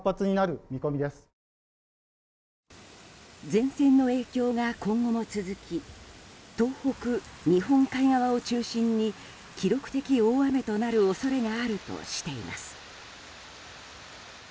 前線の影響が今後も続き東北日本海側を中心に記録的大雨となる恐れがあるとしています。